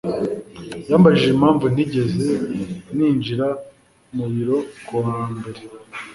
yambajije impamvu ntigeze ninjira mu biro ku wa mbere.